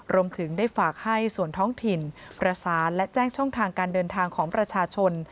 รวมถึงได้ฝากให้ส่วนท้องถิ่นประสานและแจ้งช่องทางการเดินทางของประชาชน